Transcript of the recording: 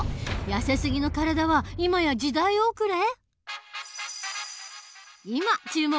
やせすぎの体は今や時代遅れ！？